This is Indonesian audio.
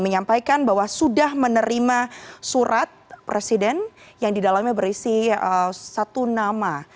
menyampaikan bahwa sudah menerima surat presiden yang didalamnya berisi satu nama